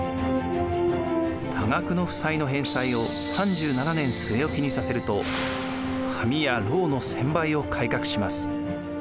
多額の負債の返済を３７年据え置きにさせると「紙」や「ろう」の専売を改革します。